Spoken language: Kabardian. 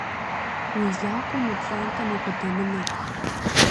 Уи закъуэ мы пщӀантӀэм укъыдэмынэ.